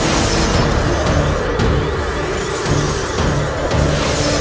saya akan memperbaikinya